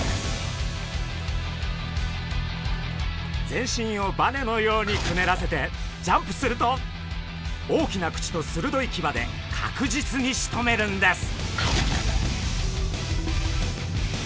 全身をバネのようにくねらせてジャンプすると大きな口とするどいキバで確実にしとめるんです！